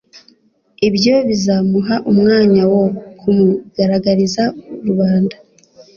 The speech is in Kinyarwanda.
Ibyo bizamuha umwanya wo kumugaragariza rubanda.